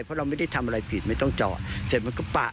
เพราะเราไม่ได้ทำอะไรผิดไม่ต้องจอด